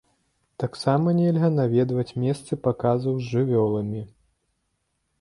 Таксама нельга наведваць месцы паказаў з жывёламі.